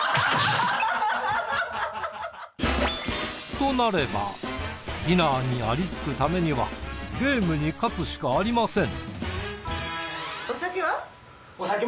となればディナーにありつくためにはゲームに勝つしかありません。